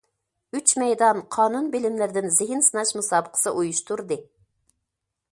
ئۈچ مەيدان قانۇن بىلىملىرىدىن زېھىن سىناش مۇسابىقىسى ئۇيۇشتۇردى.